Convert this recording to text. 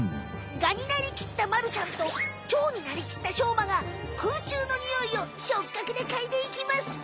ガになりきったまるちゃんとチョウになりきったしょうまがくうちゅうのニオイを触角でかいでいきます！